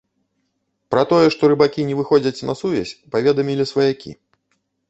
Пра тое, што рыбакі не выходзяць на сувязь, паведамілі сваякі.